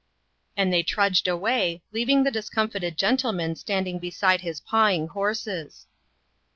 And they trudged away, leaving the dis comfited gentleman standing beside his pawing horses.